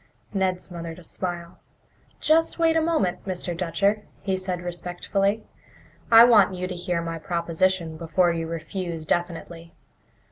Ned smothered a smile. "Just wait a moment, Mr. Dutcher," he said respectfully. "I want you to hear my proposition before you refuse definitely.